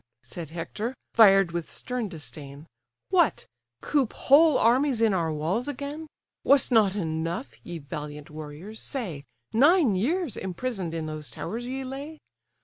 (said Hector, fired with stern disdain) What! coop whole armies in our walls again? Was't not enough, ye valiant warriors, say, Nine years imprison'd in those towers ye lay?